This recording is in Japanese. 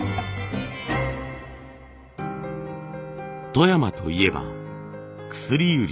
富山といえば薬売り。